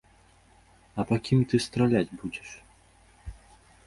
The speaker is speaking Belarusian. А па кім ты страляць будзеш?